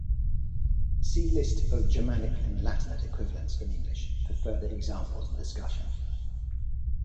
See list of Germanic and Latinate equivalents in English for further examples and discussion.